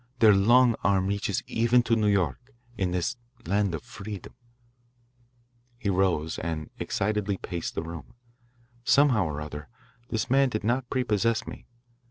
Their long arm reaches even to New York, in this land of freedom." He rose and excitedly paced the room. Somehow or other, this man did not prepossess me.